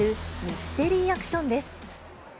ミステリーアクションです。